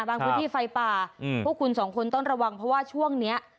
พื้นที่ไฟป่าพวกคุณสองคนต้องระวังเพราะว่าช่วงนี้